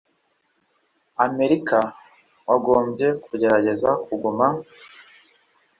amerika wagombye kugerageza kuguma